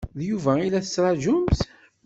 D Yuba i la tettṛaǧumt?